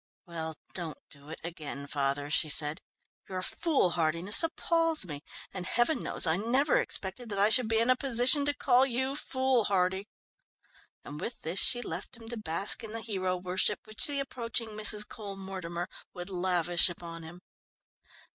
"Well, don't do it again, father," she said. "Your foolhardiness appals me, and heaven knows, I never expected that I should be in a position to call you foolhardy." And with this she left him to bask in the hero worship which the approaching Mrs. Cole Mortimer would lavish upon him.